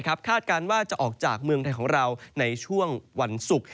คาดการณ์ว่าจะออกจากเมืองไทยของเราในช่วงวันศุกร์